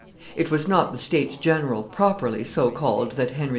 It was not the states general properly so called that Henry IV.